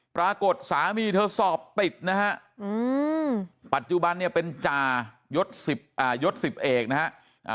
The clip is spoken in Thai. สามีเธอสอบติดนะฮะปัจจุบันเนี่ยเป็นจ่ายศ๑๐เอกนะฮะ